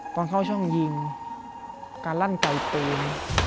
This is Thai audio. ตอนเข้าช่องยิงการลั่นไกลปืน